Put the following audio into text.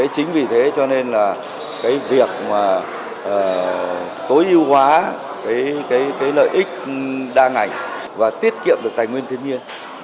chính vì thế cho nên là cái việc tối ưu hóa cái lợi ích đa ngành và tiết kiệm được tài nguyên thiên nhiên